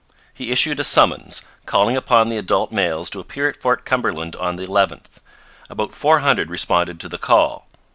He issued a summons, calling upon the adult males to appear at Fort Cumberland on the 11th. About four hundred responded to the call.